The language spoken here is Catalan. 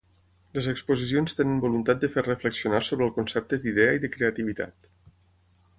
Les exposicions tenen voluntat de fer reflexionar sobre el concepte d'idea i de creativitat.